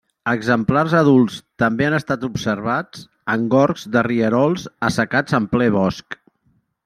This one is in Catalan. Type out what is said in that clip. Exemplars adults també han estat observats en gorgs de rierols assecats en ple bosc.